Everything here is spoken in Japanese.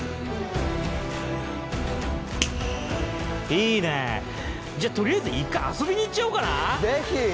いいねじゃあとりあえず一回遊びに行っちゃおうかなぜひ！